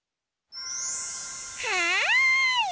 はい。